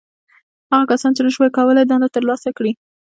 • هغه کسانو، چې نهشوی کولای دنده تر سره کړي.